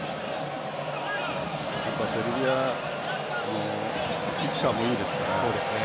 セルビアキッカーもいいですから。